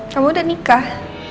kamu udah nikah